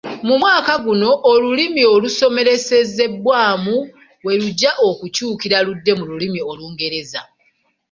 Mu mwaka guno, olulimi olusomeserezebwamu we lujja okukyukira ludde mu lulimi olungereza.